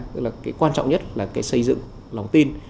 tức là cái quan trọng nhất là cái xây dựng lòng tin